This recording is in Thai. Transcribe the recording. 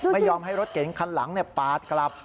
ไม่ยอมให้รถเก๋งคันหลังปาดกลับ